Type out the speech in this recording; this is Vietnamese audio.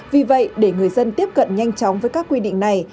vì vậy để người dân tiếp cận nhanh chóng với các quy định này